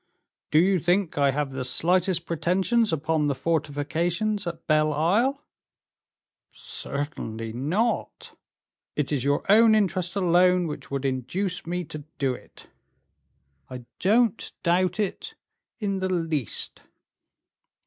"Do you think I have the slightest pretensions upon the fortifications at Belle Isle?" "Certainly not." "It is your own interest alone which would induce me to do it." "I don't doubt it in the least."